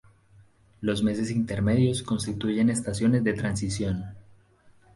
Los meses intermedios constituyen estaciones de transición.